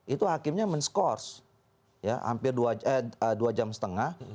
itu hakimnya men scourse hampir dua jam setengah